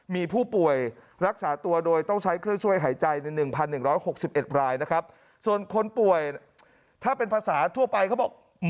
มีผู้ป่วยรักษาตัวโดยต้องใช้เครื่องช่วยหายใจใน๑๑๖๑รายนะครับ